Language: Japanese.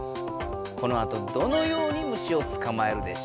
このあとどのように虫をつかまえるでしょう？